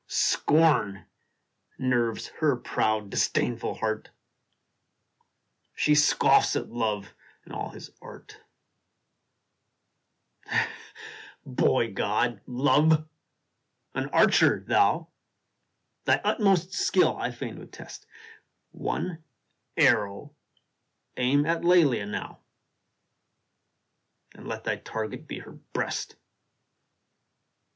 Scorn nerves her proud, disdainful heart ! She scoffs at Love and all his art ! Oh, boy god, Love ! An archer thou ! Thy utmost skill I fain would test ; One arrow aim at Lelia now, And let thy target be her breast